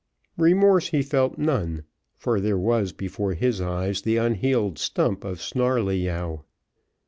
Remorse he felt none, for there was before his eyes the unhealed stump of Snarleyyow.